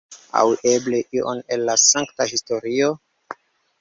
Aŭ eble ion el la sankta historio?